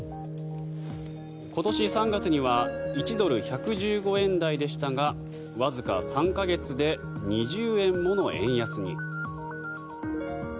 今年３月には１ドル＝１１５円台でしたがわずか３か月で２０円もの円安に。